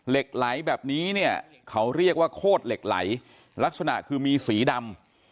เหล็กไหลแบบนี้เนี่ยเขาเรียกว่าโคตรเหล็กไหลลักษณะคือมีสีดำ